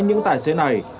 những tài xế này